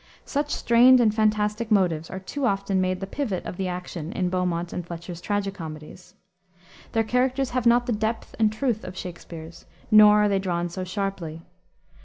Such strained and fantastic motives are too often made the pivot of the action in Beaumont and Fletcher's tragi comedies. Their characters have not the depth and truth of Shakspere's, nor are they drawn so sharply.